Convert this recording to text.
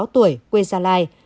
hai mươi sáu tuổi quê gia lai